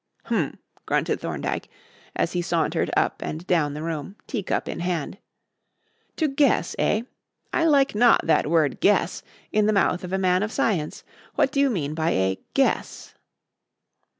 "H'm," grunted Thorndyke, as he sauntered up and down the room, teacup in hand, "to guess, eh? I like not that word 'guess' in the mouth of a man of science. What do you mean by a 'guess'?"